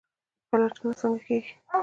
پلټنه څنګه کیږي؟